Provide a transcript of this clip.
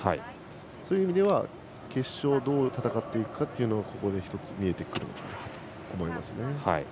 そういう意味では決勝をどう戦っていくかというのがここで１つ見えてくるのかなと思いますね。